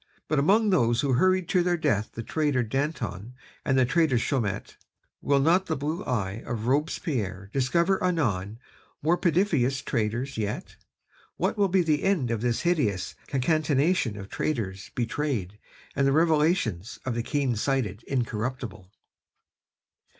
But among those who hurried to their death the traitor Danton and the traitor Chaumette, will not the blue eye of Robespierre discover anon more perfidious traitors yet? What will be the end of this hideous concatenation of traitors betrayed and the revelations of the keen sighted Incorruptible?..."